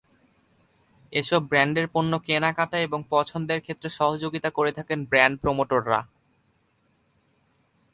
এসব ব্র্যান্ডের পণ্য কেনাকাটায় এবং পছন্দের ক্ষেত্রে সহযোগিতা করে থাকেন ব্র্যান্ড প্রমোটররা।